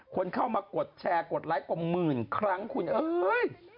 คนเข้ามากดแชร์กดไลค์กว่าหมื่นครั้งคุณเอ้ย